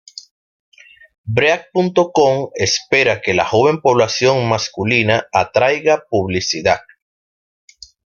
Break.com espera que la joven población masculina atraiga publicidad.